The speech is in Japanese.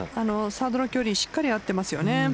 サードの距離しっかり合ってますよね。